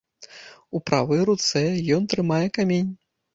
У правай руцэ ён трымае камень.